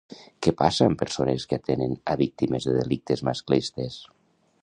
Què passa amb persones que atenen a víctimes de delictes masclistes?